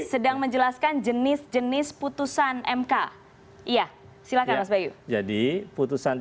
iya sedang menjelaskan jenis jenis putusan mk